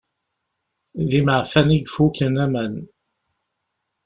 D imeɛfan i ifuken aman.